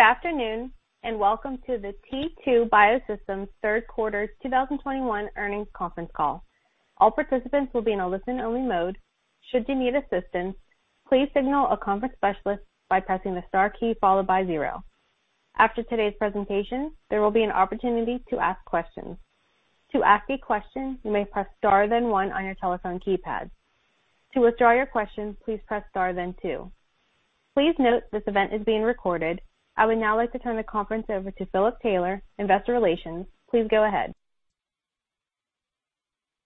Good afternoon, and welcome to the T2 Biosystems third quarter 2021 earnings conference call. All participants will be in a listen-only mode. Should you need assistance, please signal a conference specialist by pressing the star key followed by zero. After today's presentation, there will be an opportunity to ask questions. To ask a question, you may press star then one on your telephone keypad. To withdraw your question, please press star then two. Please note this event is being recorded. I would now like to turn the conference over to Philip Taylor, Investor Relations. Please go ahead.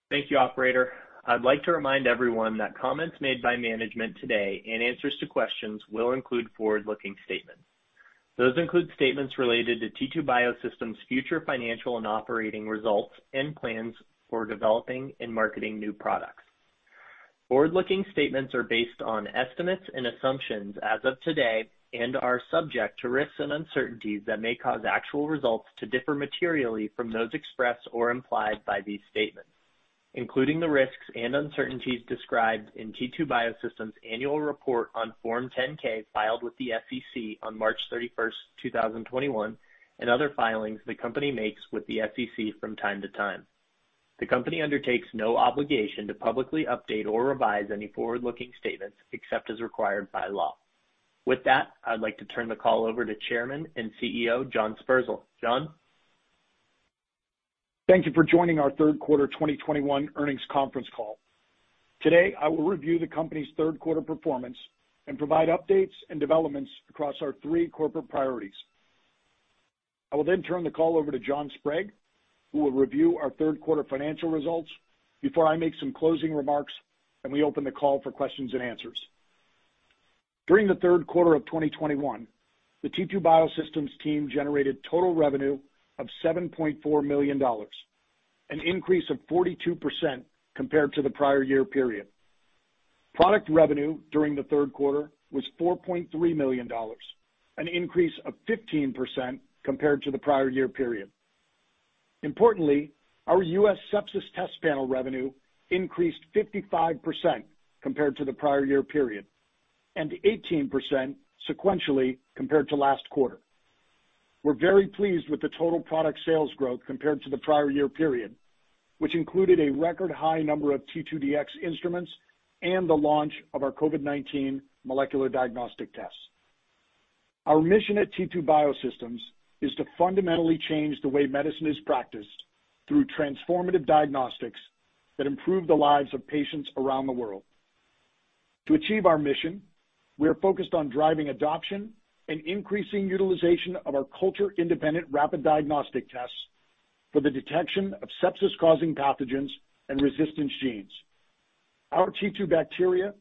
Thank you, operator. I'd like to remind everyone that comments made by management today and answers to questions will include forward-looking statements. Those include statements related to T2 Biosystems' future financial and operating results and plans for developing and marketing new products. Forward-looking statements are based on estimates and assumptions as of today and are subject to risks and uncertainties that may cause actual results to differ materially from those expressed or implied by these statements, including the risks and uncertainties described in T2 Biosystems' annual report on Form 10-K filed with the SEC on March 31, 2021, and other filings the company makes with the SEC from time to time. The company undertakes no obligation to publicly update or revise any forward-looking statements except as required by law. With that, I'd like to turn the call over to Chairman and CEO, John Sperzel. John? Thank you for joining our third quarter 2021 earnings conference call. Today, I will review the company's third quarter performance and provide updates and developments across our three corporate priorities. I will then turn the call over to John Sprague, who will review our third quarter financial results before I make some closing remarks, and we open the call for questions and answers. During the third quarter of 2021, the T2 Biosystems team generated total revenue of $7.4 million, an increase of 42% compared to the prior year period. Product revenue during the third quarter was $4.3 million, an increase of 15% compared to the prior year period. Importantly, our U.S. sepsis test panel revenue increased 55% compared to the prior year period, and 18% sequentially compared to last quarter. We're very pleased with the total product sales growth compared to the prior year period, which included a record high number of T2Dx instruments and the launch of our COVID-19 molecular diagnostic tests. Our mission at T2 Biosystems is to fundamentally change the way medicine is practiced through transformative diagnostics that improve the lives of patients around the world. To achieve our mission, we are focused on driving adoption and increasing utilization of our culture-independent rapid diagnostic tests for the detection of sepsis-causing pathogens and resistance genes. Our T2Bacteria,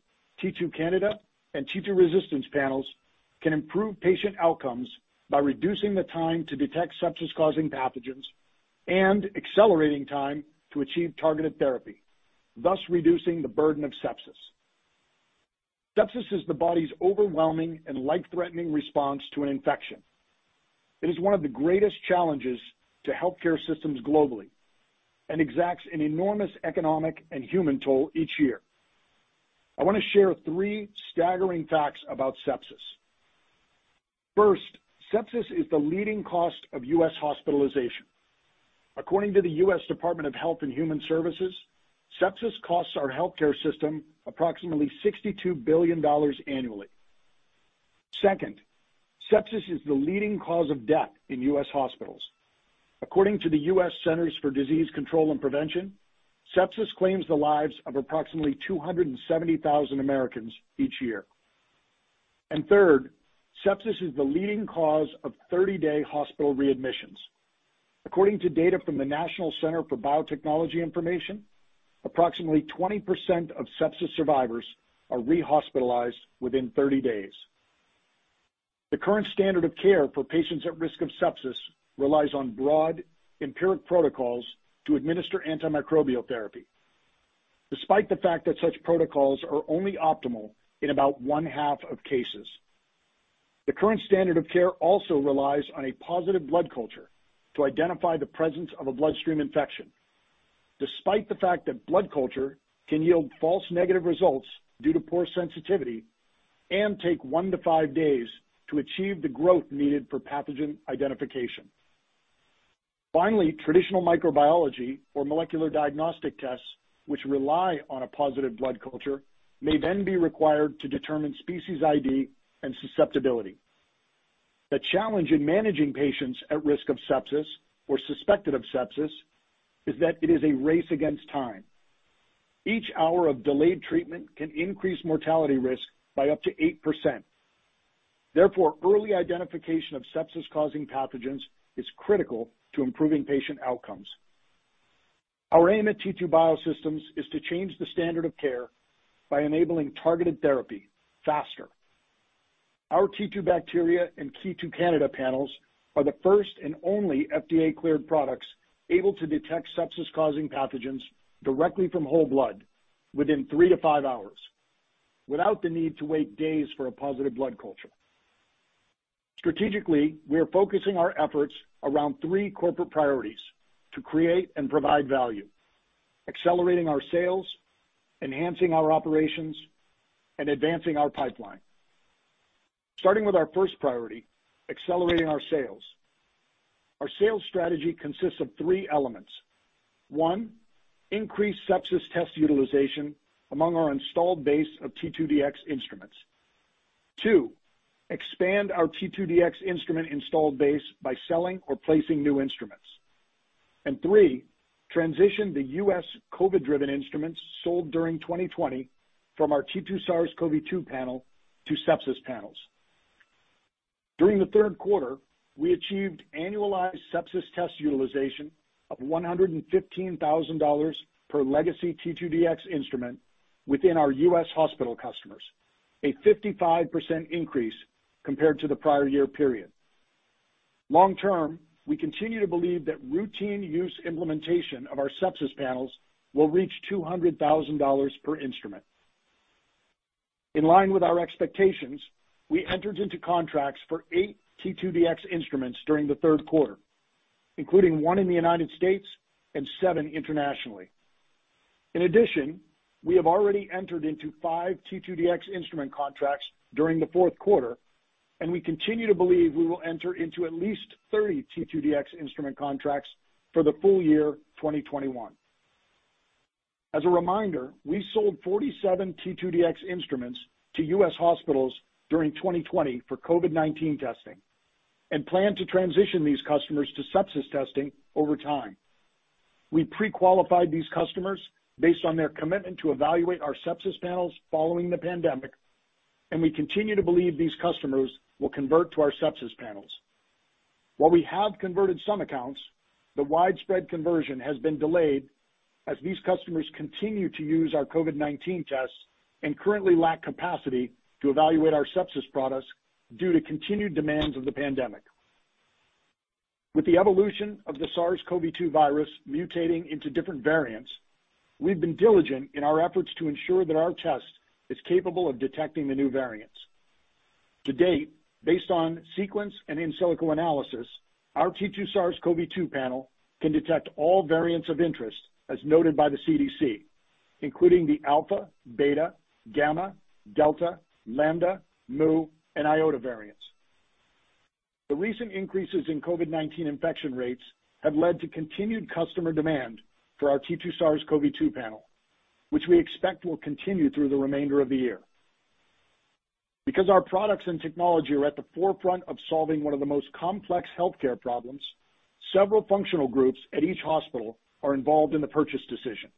T2Candida, and T2Resistance panels can improve patient outcomes by reducing the time to detect sepsis-causing pathogens and accelerating time to achieve targeted therapy, thus reducing the burden of sepsis. Sepsis is the body's overwhelming and life-threatening response to an infection. It is one of the greatest challenges to healthcare systems globally and exacts an enormous economic and human toll each year. I wanna share three staggering facts about sepsis. First, sepsis is the leading cost of U.S. hospitalization. According to the U.S. Department of Health and Human Services, sepsis costs our healthcare system approximately $62 billion annually. Second, sepsis is the leading cause of death in U.S. hospitals. According to the U.S. Centers for Disease Control and Prevention, sepsis claims the lives of approximately 270,000 Americans each year. Third, sepsis is the leading cause of 30-day hospital readmissions. According to data from the National Center for Biotechnology Information, approximately 20% of sepsis survivors are rehospitalized within 30 days. The current standard of care for patients at risk of sepsis relies on broad empiric protocols to administer antimicrobial therapy, despite the fact that such protocols are only optimal in about one-half of cases. The current standard of care also relies on a positive blood culture to identify the presence of a bloodstream infection, despite the fact that blood culture can yield false negative results due to poor sensitivity and take 1-5 days to achieve the growth needed for pathogen identification. Finally, traditional microbiology or molecular diagnostic tests which rely on a positive blood culture may then be required to determine species ID and susceptibility. The challenge in managing patients at risk of sepsis or suspected of sepsis is that it is a race against time. Each hour of delayed treatment can increase mortality risk by up to 8%. Therefore, early identification of sepsis-causing pathogens is critical to improving patient outcomes. Our aim at T2 Biosystems is to change the standard of care by enabling targeted therapy faster. Our T2Bacteria and T2Candida panels are the first and only FDA-cleared products able to detect sepsis-causing pathogens directly from whole blood within 3-5 hours without the need to wait days for a positive blood culture. Strategically, we are focusing our efforts around three corporate priorities to create and provide value. Accelerating our sales, enhancing our operations, and advancing our pipeline. Starting with our first priority, accelerating our sales. Our sales strategy consists of three elements. One, increase sepsis test utilization among our installed base of T2Dx instruments. Two, expand our T2Dx instrument installed base by selling or placing new instruments. And three, transition the U.S. COVID-driven instruments sold during 2020 from our T2SARS-CoV-2 panel to sepsis panels. During the third quarter, we achieved annualized sepsis test utilization of $115,000 per legacy T2Dx instrument within our U.S. hospital customers, a 55% increase compared to the prior year period. Long term, we continue to believe that routine use implementation of our sepsis panels will reach $200,000 per instrument. In line with our expectations, we entered into contracts for eight T2Dx instruments during the third quarter, including one in the United States and seven internationally. In addition, we have already entered into five T2Dx instrument contracts during the fourth quarter, and we continue to believe we will enter into at least 30 T2Dx instrument contracts for the full year 2021. As a reminder, we sold 47 T2Dx instruments to U.S. hospitals during 2020 for COVID-19 testing and plan to transition these customers to sepsis testing over time. We pre-qualified these customers based on their commitment to evaluate our sepsis panels following the pandemic, and we continue to believe these customers will convert to our sepsis panels. While we have converted some accounts, the widespread conversion has been delayed as these customers continue to use our COVID-19 tests and currently lack capacity to evaluate our sepsis products due to continued demands of the pandemic. With the evolution of the SARS-CoV-2 virus mutating into different variants, we've been diligent in our efforts to ensure that our test is capable of detecting the new variants. To date, based on sequence and in silico analysis, our T2SARS-CoV-2 panel can detect all variants of interest as noted by the CDC, including the Alpha, Beta, Gamma, Delta, Lambda, Mu, and Iota variants. The recent increases in COVID-19 infection rates have led to continued customer demand for our T2SARS-CoV-2 panel, which we expect will continue through the remainder of the year. Because our products and technology are at the forefront of solving one of the most complex healthcare problems, several functional groups at each hospital are involved in the purchase decision.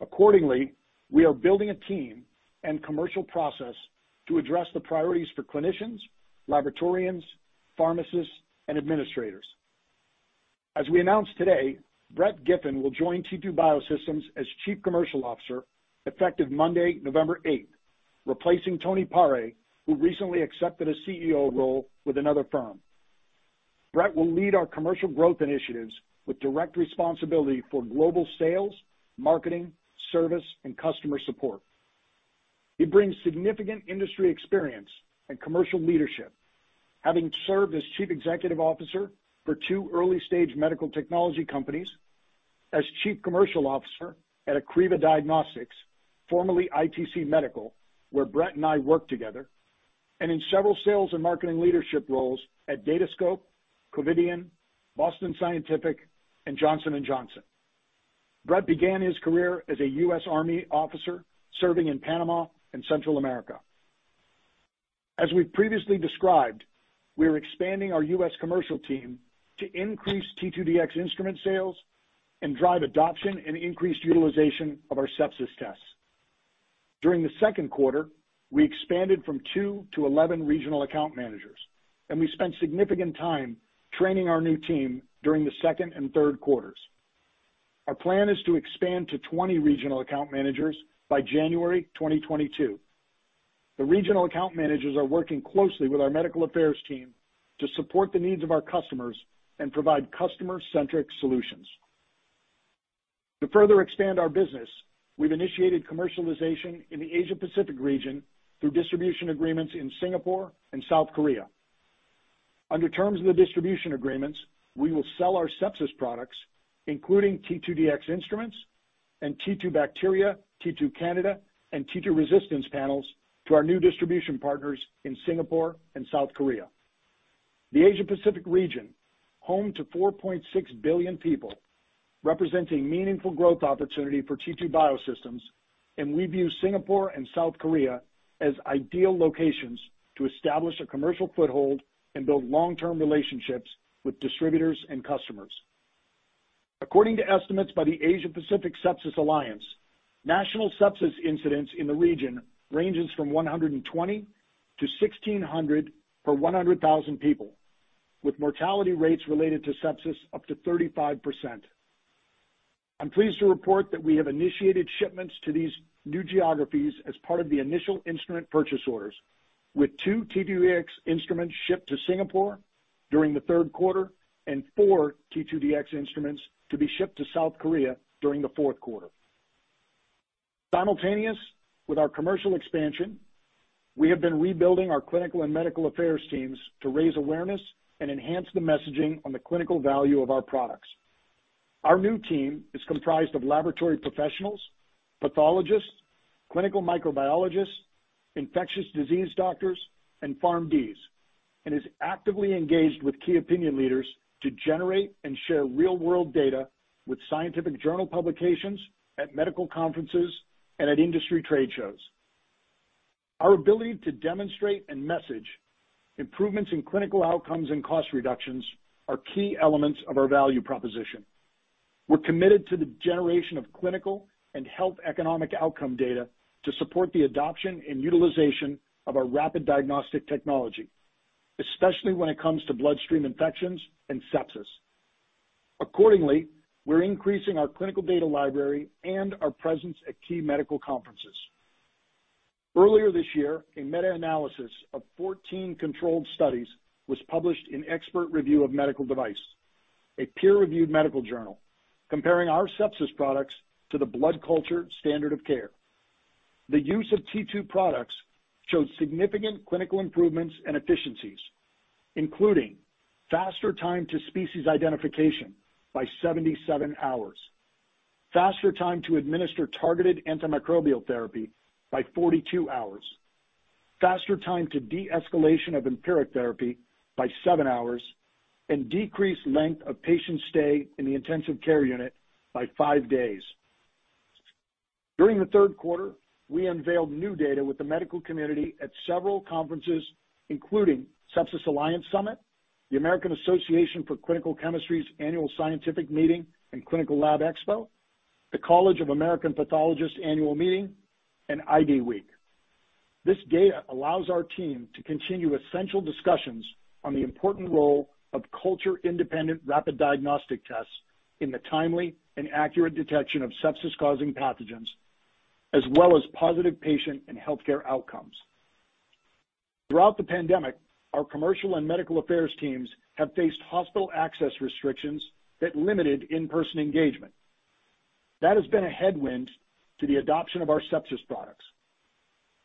Accordingly, we are building a team and commercial process to address the priorities for clinicians, laboratorians, pharmacists, and administrators. As we announced today, Brett Giffin will join T2 Biosystems as Chief Commercial Officer effective Monday, November 8th, replacing Tony Pare, who recently accepted a CEO role with another firm. Brett will lead our commercial growth initiatives with direct responsibility for global sales, marketing, service, and customer support. He brings significant industry experience and commercial leadership, having served as Chief Executive Officer for two early-stage medical technology companies, as Chief Commercial Officer at Accriva Diagnostics, formerly ITC Medical, where Brett and I worked together, and in several sales and marketing leadership roles at Datascope, Covidien, Boston Scientific, and Johnson & Johnson. Brett began his career as a U.S. Army officer serving in Panama and Central America. As we've previously described, we are expanding our U.S. commercial team to increase T2Dx instrument sales and drive adoption and increased utilization of our sepsis tests. During the second quarter, we expanded from two to 11 regional account managers, and we spent significant time training our new team during the second and third quarters. Our plan is to expand to 20 regional account managers by January 2022. The regional account managers are working closely with our medical affairs team to support the needs of our customers and provide customer-centric solutions. To further expand our business, we've initiated commercialization in the Asia Pacific region through distribution agreements in Singapore and South Korea. Under terms of the distribution agreements, we will sell our sepsis products, including T2Dx instruments and T2Bacteria, T2Candida, and T2Resistance panels to our new distribution partners in Singapore and South Korea. The Asia Pacific region, home to 4.6 billion people, represents a meaningful growth opportunity for T2 Biosystems, and we view Singapore and South Korea as ideal locations to establish a commercial foothold and build long-term relationships with distributors and customers. According to estimates by the Asia Pacific Sepsis Alliance, national sepsis incidents in the region ranges from 120 to 1,600 per 100,000 people, with mortality rates related to sepsis up to 35%. I'm pleased to report that we have initiated shipments to these new geographies as part of the initial instrument purchase orders, with two T2Dx instruments shipped to Singapore during the third quarter and four T2Dx instruments to be shipped to South Korea during the fourth quarter. Simultaneous with our commercial expansion, we have been rebuilding our clinical and medical affairs teams to raise awareness and enhance the messaging on the clinical value of our products. Our new team is comprised of laboratory professionals, pathologists, clinical microbiologists, infectious disease doctors, and PharmDs, and is actively engaged with key opinion leaders to generate and share real-world data with scientific journal publications at medical conferences and at industry trade shows. Our ability to demonstrate and message improvements in clinical outcomes and cost reductions are key elements of our value proposition. We're committed to the generation of clinical and health economic outcome data to support the adoption and utilization of our rapid diagnostic technology, especially when it comes to bloodstream infections and sepsis. Accordingly, we're increasing our clinical data library and our presence at key medical conferences. Earlier this year, a meta-analysis of 14 controlled studies was published in Expert Review of Medical Devices, a peer-reviewed medical journal comparing our sepsis products to the blood culture standard of care. The use of T2 products showed significant clinical improvements and efficiencies, including faster time to species identification by 77 hours, faster time to administer targeted antimicrobial therapy by 42 hours, faster time to de-escalation of empiric therapy by seven hours, and decreased length of patient stay in the intensive care unit by five days. During the third quarter, we unveiled new data with the medical community at several conferences, including Sepsis Alliance Summit, the American Association for Clinical Chemistry's Annual Scientific Meeting and Clinical Lab Expo, the College of American Pathologists Annual Meeting, and IDWeek. This data allows our team to continue essential discussions on the important role of culture-independent rapid diagnostic tests in the timely and accurate detection of sepsis-causing pathogens, as well as positive patient and healthcare outcomes. Throughout the pandemic, our commercial and medical affairs teams have faced hospital access restrictions that limited in-person engagement. That has been a headwind to the adoption of our sepsis products.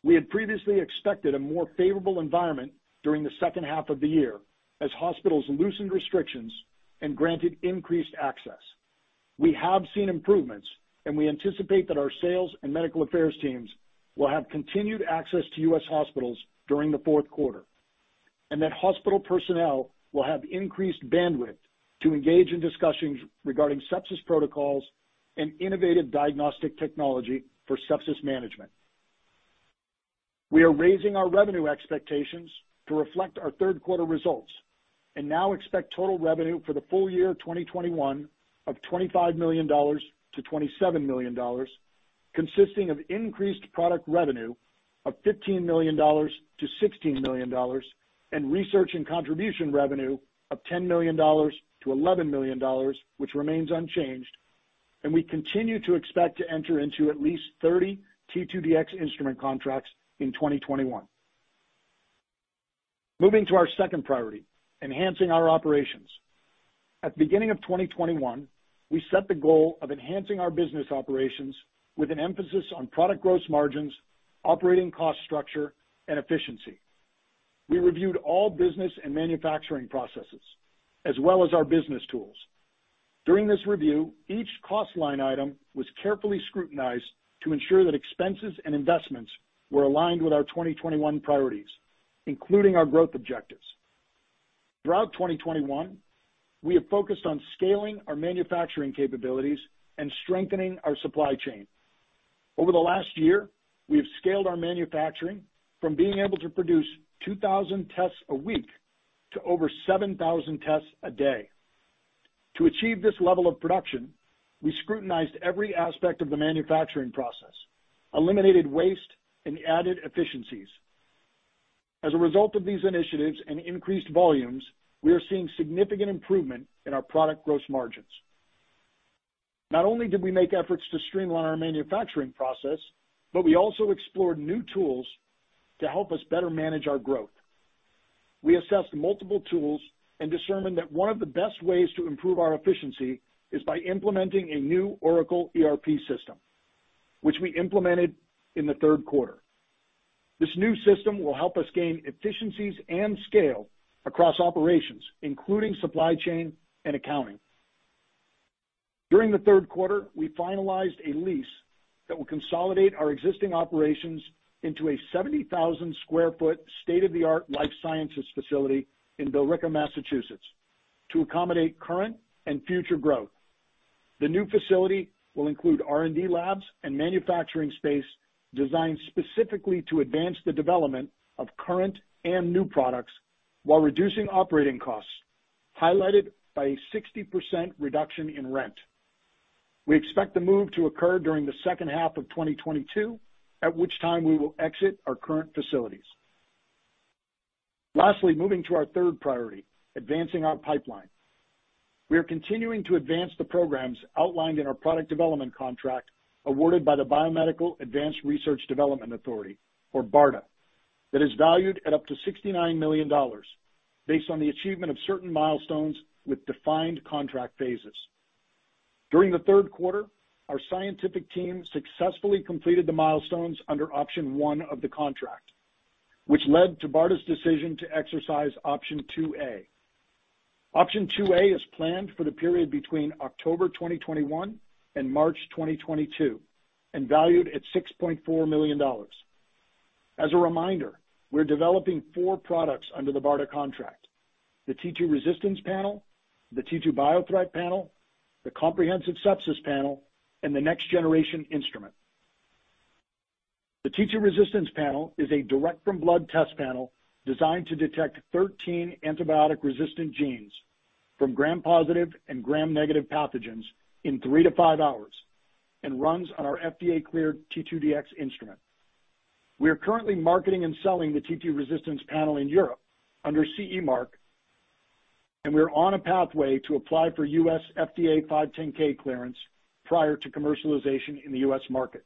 We had previously expected a more favorable environment during the second half of the year as hospitals loosened restrictions and granted increased access. We have seen improvements, and we anticipate that our sales and medical affairs teams will have continued access to U.S. hospitals during the fourth quarter, and that hospital personnel will have increased bandwidth to engage in discussions regarding sepsis protocols and innovative diagnostic technology for sepsis management. We are raising our revenue expectations to reflect our third quarter results and now expect total revenue for the full year 2021 of $25 million-$27 million, consisting of increased product revenue of $15 million-$16 million, and research and contribution revenue of $10 million-$11 million, which remains unchanged. We continue to expect to enter into at least 30 T2Dx instrument contracts in 2021. Moving to our second priority, enhancing our operations. At the beginning of 2021, we set the goal of enhancing our business operations with an emphasis on product gross margins, operating cost structure, and efficiency. We reviewed all business and manufacturing processes, as well as our business tools. During this review, each cost line item was carefully scrutinized to ensure that expenses and investments were aligned with our 2021 priorities, including our growth objectives. Throughout 2021, we have focused on scaling our manufacturing capabilities and strengthening our supply chain. Over the last year, we have scaled our manufacturing from being able to produce 2,000 tests a week to over 7,000 tests a day. To achieve this level of production, we scrutinized every aspect of the manufacturing process, eliminated waste and added efficiencies. As a result of these initiatives and increased volumes, we are seeing significant improvement in our product gross margins. Not only did we make efforts to streamline our manufacturing process, but we also explored new tools to help us better manage our growth. We assessed multiple tools and determined that one of the best ways to improve our efficiency is by implementing a new Oracle ERP system, which we implemented in the third quarter. This new system will help us gain efficiencies and scale across operations, including supply chain and accounting. During the third quarter, we finalized a lease that will consolidate our existing operations into a 70,000 sq ft state-of-the-art life sciences facility in Billerica, Massachusetts, to accommodate current and future growth. The new facility will include R&D labs and manufacturing space designed specifically to advance the development of current and new products while reducing operating costs, highlighted by a 60% reduction in rent. We expect the move to occur during the second half of 2022, at which time we will exit our current facilities. Lastly, moving to our third priority, advancing our pipeline. We are continuing to advance the programs outlined in our product development contract awarded by the Biomedical Advanced Research and Development Authority, or BARDA. That is valued at up to $69 million based on the achievement of certain milestones with defined contract phases. During the third quarter, our scientific team successfully completed the milestones under option one of the contract, which led to BARDA's decision to exercise option two A. Option 2A is planned for the period between October 2021 and March 2022, and valued at $6.4 million. As a reminder, we're developing four products under the BARDA contract. The T2Resistance panel, the T2Biothreat panel, the Comprehensive Sepsis Panel, and the next generation instrument. The T2Resistance panel is a direct from blood test panel designed to detect 13 antibiotic-resistant genes from gram-positive and gram-negative pathogens in 3-5 hours and runs on our FDA-cleared T2Dx instrument. We are currently marketing and selling the T2Resistance panel in Europe under CE mark, and we are on a pathway to apply for U.S. FDA 510(k) clearance prior to commercialization in the U.S. market.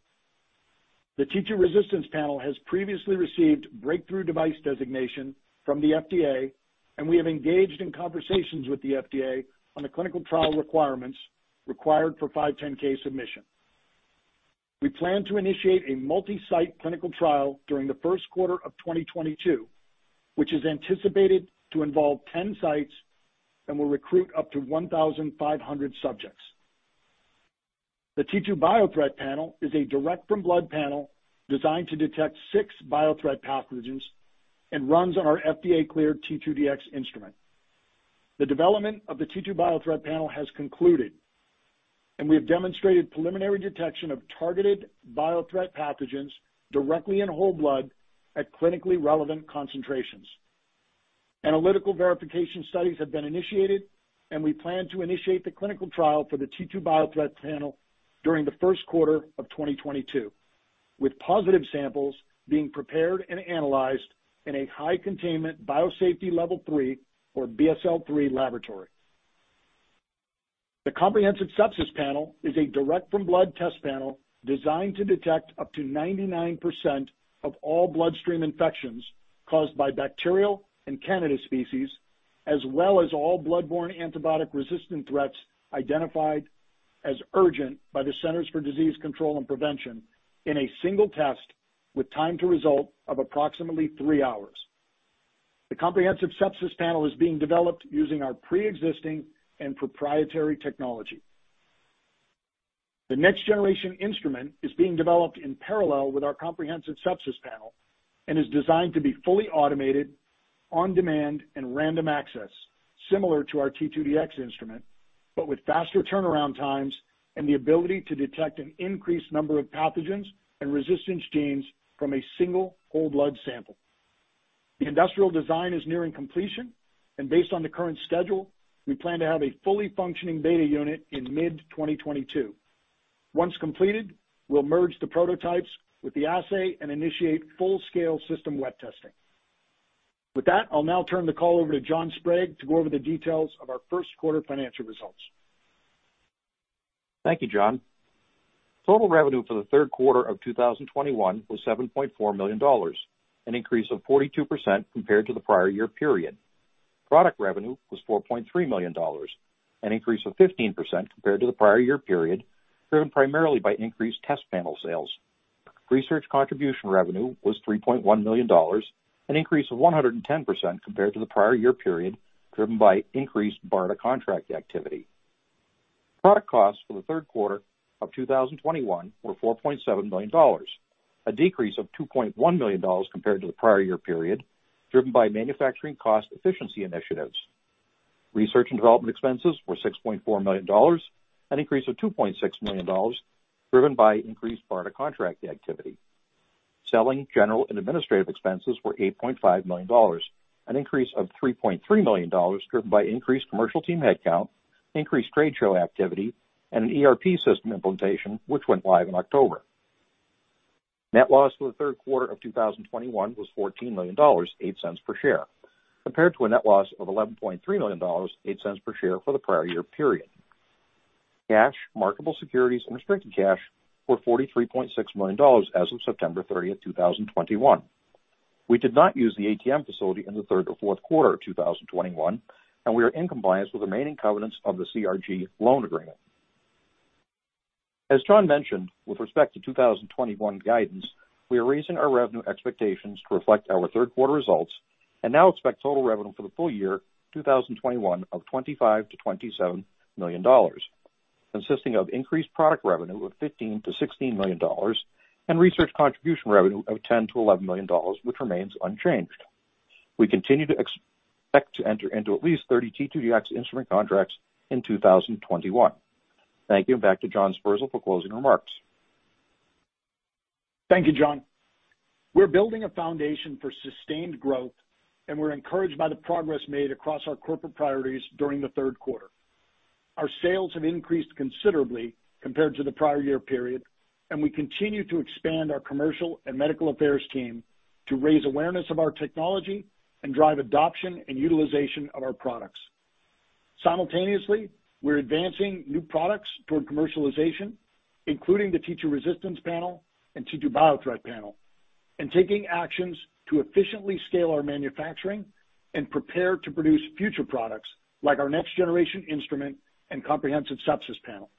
The T2Resistance panel has previously received Breakthrough Device Designation from the FDA, and we have engaged in conversations with the FDA on the clinical trial requirements required for 510(k) submission. We plan to initiate a multi-site clinical trial during the first quarter of 2022, which is anticipated to involve 10 sites and will recruit up to 1,500 subjects. The T2Biothreat panel is a direct from blood panel designed to detect six biothreat pathogens and runs on our FDA-cleared T2Dx instrument. The development of the T2Biothreat panel has concluded, and we have demonstrated preliminary detection of targeted biothreat pathogens directly in whole blood at clinically relevant concentrations. Analytical verification studies have been initiated, and we plan to initiate the clinical trial for the T2Biothreat panel during the first quarter of 2022, with positive samples being prepared and analyzed in a high-containment biosafety level three or BSL-3 laboratory. The Comprehensive Sepsis Panel is a direct from blood test panel designed to detect up to 99% of all bloodstream infections caused by bacterial and Candida species, as well as all bloodborne antibiotic-resistant threats identified as urgent by the Centers for Disease Control and Prevention in a single test with time to result of approximately three hours. The Comprehensive Sepsis Panel is being developed using our pre-existing and proprietary technology. The next-generation instrument is being developed in parallel with our Comprehensive Sepsis Panel and is designed to be fully automated on demand and random access, similar to our T2Dx instrument, but with faster turnaround times and the ability to detect an increased number of pathogens and resistance genes from a single whole blood sample. The industrial design is nearing completion, and based on the current schedule, we plan to have a fully functioning beta unit in mid-2022. Once completed, we'll merge the prototypes with the assay and initiate full-scale system wet testing. With that, I'll now turn the call over to John Sprague to go over the details of our first quarter financial results. Thank you, John. Total revenue for the third quarter of 2021 was $7.4 million, an increase of 42% compared to the prior year period. Product revenue was $4.3 million, an increase of 15% compared to the prior year period, driven primarily by increased test panel sales. Research contribution revenue was $3.1 million, an increase of 110% compared to the prior year period, driven by increased BARDA contract activity. Product costs for the third quarter of 2021 were $4.7 million, a decrease of $2.1 million compared to the prior year period, driven by manufacturing cost efficiency initiatives. Research and development expenses were $6.4 million, an increase of $2.6 million, driven by increased BARDA contract activity. Selling, general, and administrative expenses were $8.5 million, an increase of $3.3 million, driven by increased commercial team headcount, increased trade show activity, and an ERP system implementation, which went live in October. Net loss for the third quarter of 2021 was $14 million, $0.08 per share, compared to a net loss of $11.3 million, $0.08 per share for the prior year period. Cash, marketable securities, and restricted cash were $43.6 million as of September 30, 2021. We did not use the ATM facility in the third or fourth quarter of 2021, and we are in compliance with the remaining covenants of the CRG loan agreement. As John mentioned, with respect to 2021 guidance, we are raising our revenue expectations to reflect our third quarter results and now expect total revenue for the full year 2021 of $25 million-$27 million, consisting of increased product revenue of $15 million-$16 million and research contribution revenue of $10 million-$11 million, which remains unchanged. We continue to expect to enter into at least 30 T2Dx instrument contracts in 2021. Thank you, and back to John Sperzel for closing remarks. Thank you, John. We're building a foundation for sustained growth, and we're encouraged by the progress made across our corporate priorities during the third quarter. Our sales have increased considerably compared to the prior year period, and we continue to expand our commercial and medical affairs team to raise awareness of our technology and drive adoption and utilization of our products. Simultaneously, we're advancing new products toward commercialization, including the T2Resistance panel and T2Biothreat panel, and taking actions to efficiently scale our manufacturing and prepare to produce future products like our next-generation instrument and Comprehensive Sepsis Panel.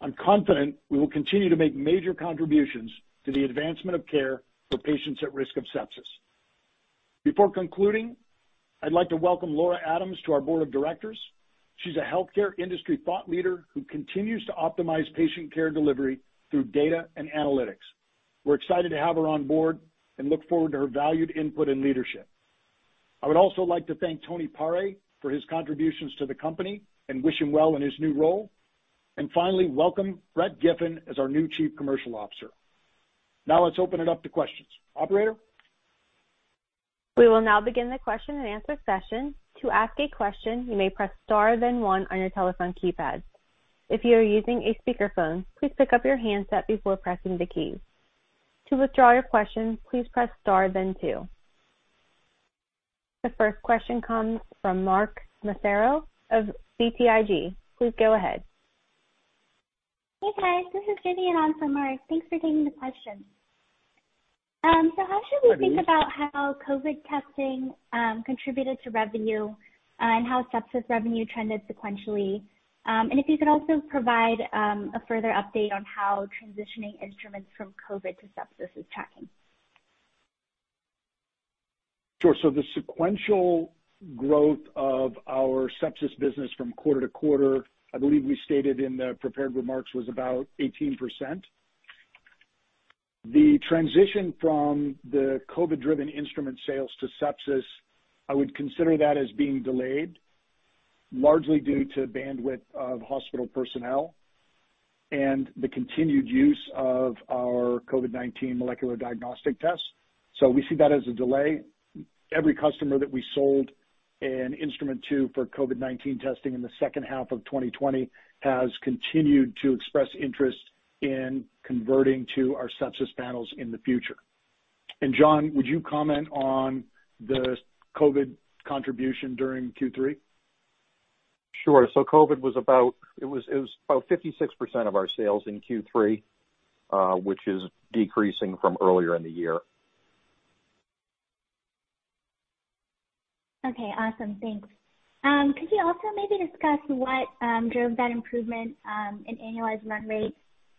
I'm confident we will continue to make major contributions to the advancement of care for patients at risk of sepsis. Before concluding, I'd like to welcome Laura Adams to our board of directors. She's a healthcare industry thought leader who continues to optimize patient care delivery through data and analytics. We're excited to have her on board and look forward to her valued input and leadership. I would also like to thank Tony Pare for his contributions to the company and wish him well in his new role. Finally, welcome Brett Giffin as our new Chief Commercial Officer. Now let's open it up to questions. Operator? We will now begin the question-and-answer session. To ask a question, you may press star then one on your telephone keypad. If you are using a speakerphone, please pick up your handset before pressing the key. To withdraw your question, please press star then two. The first question comes from Mark Massaro of BTIG. Please go ahead. Hey, guys. This is Vivian on for Mark. Thanks for taking the question. How should we think about how COVID testing contributed to revenue, and how sepsis revenue trended sequentially? If you could also provide a further update on how transitioning instruments from COVID to sepsis is tracking. Sure. The sequential growth of our sepsis business from quarter to quarter, I believe we stated in the prepared remarks, was about 18%. The transition from the COVID-driven instrument sales to sepsis, I would consider that as being delayed, largely due to bandwidth of hospital personnel and the continued use of our COVID-19 molecular diagnostic tests. We see that as a delay. Every customer that we sold an instrument to for COVID-19 testing in the second half of 2020 has continued to express interest in converting to our sepsis panels in the future. John, would you comment on the COVID contribution during Q3? Sure. COVID was about 56% of our sales in Q3, which is decreasing from earlier in the year. Okay. Awesome. Thanks. Could you also maybe discuss what drove that improvement in annualized run rate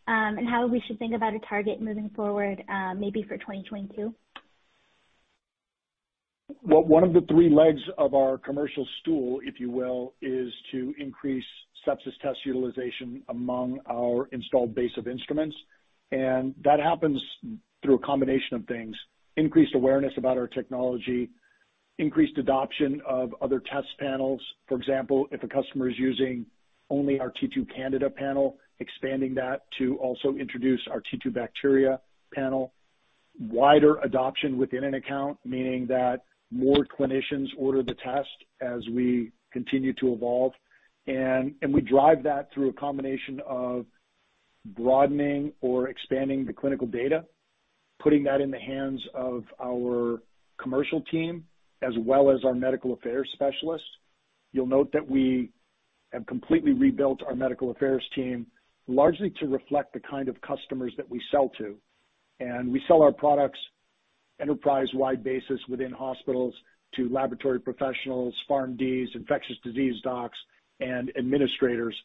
and how we should think about a target moving forward, maybe for 2022? Well, one of the three legs of our commercial stool, if you will, is to increase sepsis test utilization among our installed base of instruments. That happens through a combination of things, increased awareness about our technology, increased adoption of other test panels. For example, if a customer is using only our T2Candida panel, expanding that to also introduce our T2Bacteria panel. Wider adoption within an account, meaning that more clinicians order the test as we continue to evolve. We drive that through a combination of broadening or expanding the clinical data, putting that in the hands of our commercial team as well as our medical affairs specialists. You'll note that we have completely rebuilt our medical affairs team largely to reflect the kind of customers that we sell to. We sell our products enterprise-wide basis within hospitals to laboratory professionals, PharmDs, infectious disease docs, and administrators.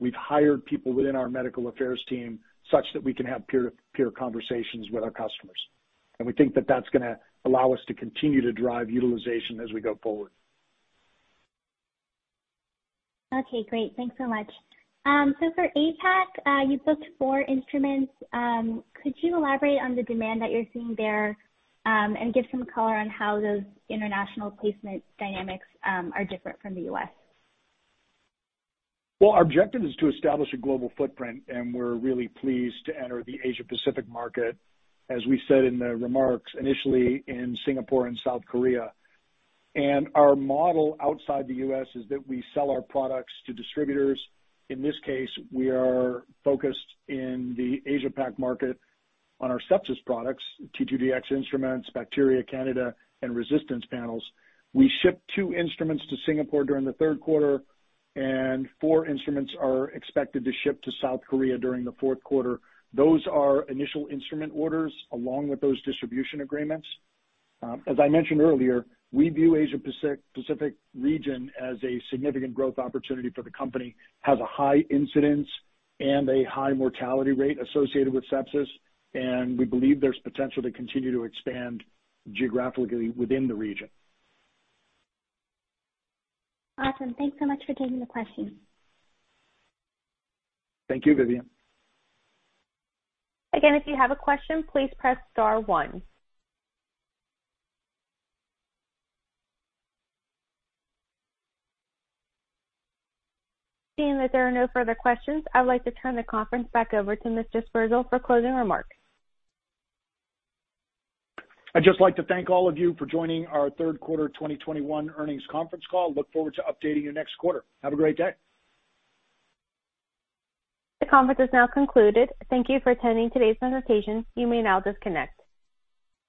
We've hired people within our medical affairs team such that we can have peer-to-peer conversations with our customers. We think that that's gonna allow us to continue to drive utilization as we go forward. Okay, great. Thanks so much. For APAC, you booked four instruments. Could you elaborate on the demand that you're seeing there, and give some color on how those international placement dynamics are different from the U.S.? Well, our objective is to establish a global footprint, and we're really pleased to enter the Asia Pacific market, as we said in the remarks, initially in Singapore and South Korea. Our model outside the US is that we sell our products to distributors. In this case, we are focused in the Asia Pacific market on our sepsis products, T2Dx instruments, T2Bacteria, T2Candida, and T2Resistance panels. We shipped 2 instruments to Singapore during the third quarter, and four instruments are expected to ship to South Korea during the fourth quarter. Those are initial instrument orders along with those distribution agreements. As I mentioned earlier, we view Asia Pacific region as a significant growth opportunity for the company, which has a high incidence and a high mortality rate associated with sepsis, and we believe there's potential to continue to expand geographically within the region. Awesome. Thanks so much for taking the question. Thank you, Vivian. Again, if you have a question, please press star one. Seeing that there are no further questions, I would like to turn the conference back over to Mr. Sperzel for closing remarks. I'd just like to thank all of you for joining our third quarter 2021 earnings conference call. Look forward to updating you next quarter. Have a great day. The conference is now concluded. Thank you for attending today's presentation. You may now disconnect.